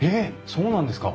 そうなんですか？